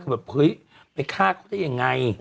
คือแบบเฮ้ยไปฆ่าเขาได้ยังไง